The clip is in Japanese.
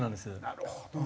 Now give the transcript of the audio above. なるほど。